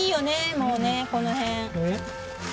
もうねこの辺。